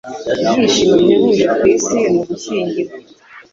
Ibyishimo bihebuje ku isi ni ugushyingirwa.”